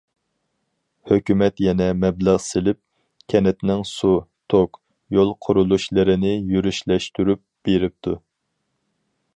ھۆكۈمەت يەنە مەبلەغ سېلىپ، كەنتنىڭ سۇ، توك، يول قۇرۇلۇشلىرىنى يۈرۈشلەشتۈرۈپ بېرىپتۇ.